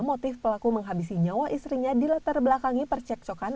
motif pelaku menghabisi nyawa istrinya di latar belakangi percekcokan